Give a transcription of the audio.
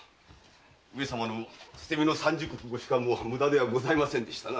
上様の捨て身の三十石ご仕官も無駄ではございませんでしたな。